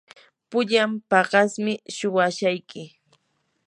pullan paqasmi suwashayki.